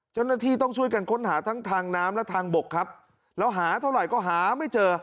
เจ้าหน้าที่ต้องช่วยกันค้นหาทั้งทางน้ำและทางบกครับแล้วหาเท่าไหร่ก็หาไม่เจอ